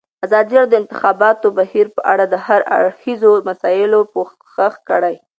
ازادي راډیو د د انتخاباتو بهیر په اړه د هر اړخیزو مسایلو پوښښ کړی.